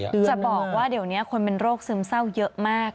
จะบอกว่าเดี๋ยวนี้คนเป็นโรคซึมเศร้าเยอะมาก